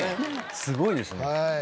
すごいですね。